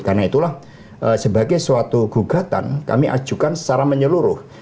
karena itulah sebagai suatu gugatan kami ajukan secara menyeluruh